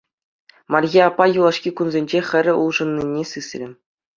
Марье аппа юлашки кунсенче хӗрӗ улшӑннине сисрӗ.